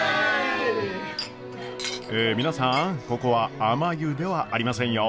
え皆さんここはあまゆではありませんよ。